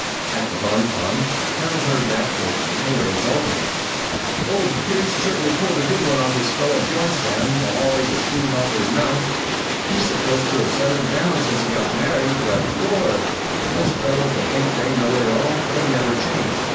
At the Bon Ton, Carol heard Nat Hicks the tailor exulting: "Old Perce certainly pulled a good one on this fellow Bjornstam that always is shooting off his mouth. He's supposed to of settled down since he got married, but Lord, those fellows that think they know it all, they never change.